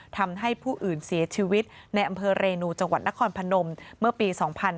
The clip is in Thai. ทำให้ผู้อื่นเสียชีวิตในอำเภอเรนูจังหวัดนครพนมเมื่อปี๒๕๕๙